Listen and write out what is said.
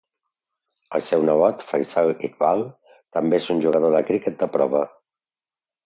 El seu nebot, Faisal Iqbal, també és un jugador de criquet de prova.